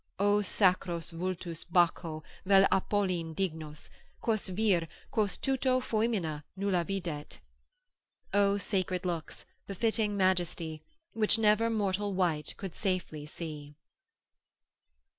O sacros vultus Baccho vel Apolline dignos, Quos vir, quos tuto foemina nulla videt! ———O sacred looks, befitting majesty, Which never mortal wight could safely see.